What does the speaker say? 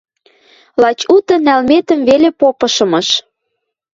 Лач уты нӓлметӹм веле попышымыш.